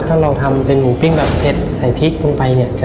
ถ้าเราทำเป็นหมูปิ้งแบบเผ็ดใส่พริกลงไปเนี่ย